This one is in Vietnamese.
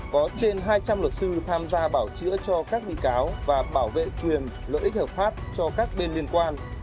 có trên hai trăm linh luật sư tham gia bảo chữa cho các bị cáo và bảo vệ quyền lợi ích hợp pháp cho các bên liên quan